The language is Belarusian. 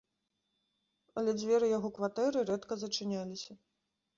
Але дзверы яго кватэры рэдка зачыняліся.